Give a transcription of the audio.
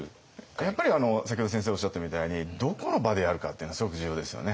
やっぱり先ほど先生おっしゃったみたいにどこの場でやるかっていうのはすごく重要ですよね。